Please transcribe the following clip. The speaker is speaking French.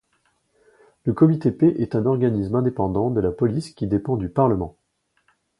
Le Comité P est un organisme indépendant de la police qui dépend du Parlement.